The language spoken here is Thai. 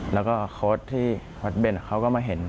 แล้วก็โค้ดที่วัดเบนเขาก็มาเห็น